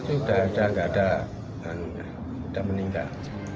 sudah ada nggak ada sudah meninggal